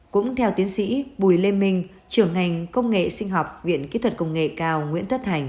cũng theo tiến sĩ bùi lê minh trường ngành công nghệ sinh học viện kỹ thuật công nghệ cao nguyễn tất thành